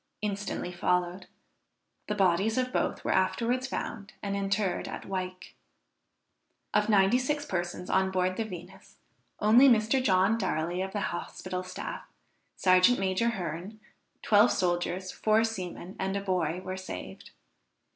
instantly followed. The bodies of both were afterwards found and interred at Wyke. Of ninety six persons on board the Venus, only Mr. John Darley of the hospital staff, serjeant major Hearne, twelve soldiers, four seamen and a boy were saved.